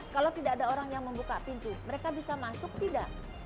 kalau tidak ada orang yang membuka pintu mereka bisa masuk tidak